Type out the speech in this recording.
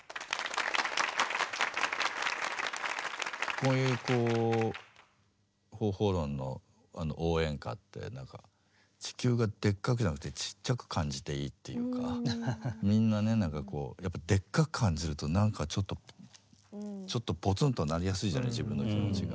こういうこう方法論の応援歌って何か地球がでっかくじゃなくてちっちゃく感じていいっていうかみんなね何かこうやっぱでっかく感じると何かちょっとちょっとぽつんとなりやすいじゃない自分の気持ちが。